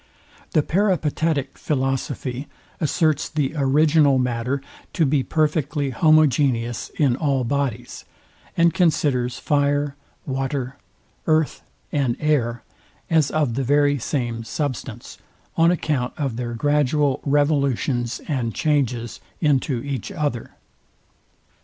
The peripatetic philosophy asserts the original matter to be perfectly homogeneous in all bodies, and considers fire, water, earth, and air, as of the very same substance; on account of their gradual revolutions and changes into each other.